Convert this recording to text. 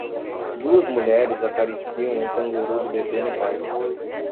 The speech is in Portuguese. Duas mulheres acariciam um canguru do bebê no parque.